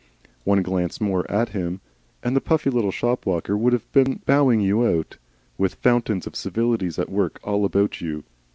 One glance more at him, and the puffy little shop walker would have been bowing you out, with fountains of civilities at work all about you.